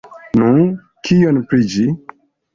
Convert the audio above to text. Nu, kion pri ĝi?